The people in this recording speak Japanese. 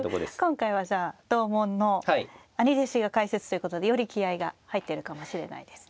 今回はじゃあ同門の兄弟子が解説ということでより気合いが入ってるかもしれないですね。